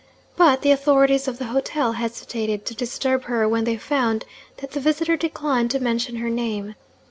But the authorities of the hotel hesitated to disturb her when they found that the visitor declined to mention her name.